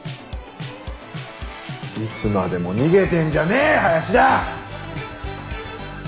いつまでも逃げてんじゃねえ林田！